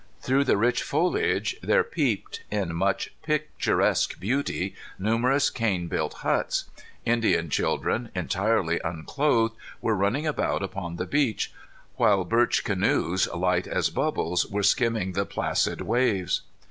Through the rich foliage there peeped, in much picturesque beauty, numerous cane built huts. Indian children, entirely unclothed, were running about upon the beach, while birch canoes, light as bubbles, were skimming the placid waves.